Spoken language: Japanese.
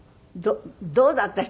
どうだった？